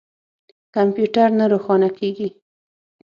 کمپیوټر نه روښانه کیږي